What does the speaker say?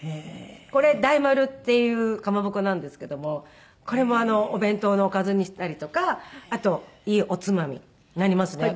これ大丸っていうかまぼこなんですけどもこれもお弁当のおかずにしたりとかあといいおつまみになりますね。